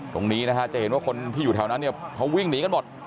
ตรงนี้นะฮะจะเห็นว่าคนที่อยู่แถวนั้นเนี่ยเขาวิ่งหนีกันหมด